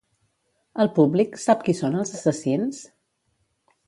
El públic sap qui són els assassins?